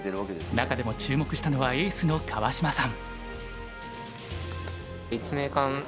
中でも注目したのはエースの川島さん。